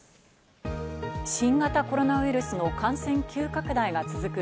新型コロナウイルスの感染急拡大が続く